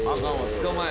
捕まえ。